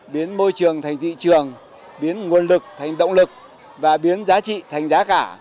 biến môi trường thành thị trường biến nguồn lực thành động lực và biến giá trị thành giá cả